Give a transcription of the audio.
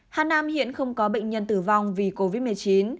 hà nam hiện không có bệnh nhân tử vong vì covid một mươi chín